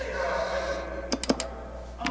アユを食べるのは。